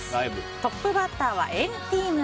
トップバッターは＆ＴＥＡＭ。